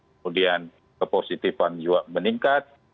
kemudian kepositifan juga meningkat